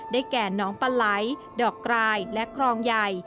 ได้แก่น้องปลายดอกกลายและกรองใหญ่